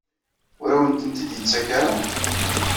Ur awen-tent-id-yettak ara?